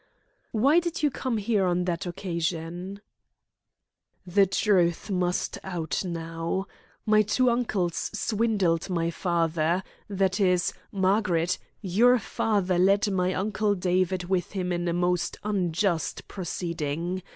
"Why did you come here on that occasion?" "The truth must out now. My two uncles swindled my father that is, Margaret, your father led my Uncle David with him in a most unjust proceeding.